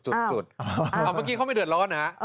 เมื่อกี้เขาไม่เดือดร้อนนะ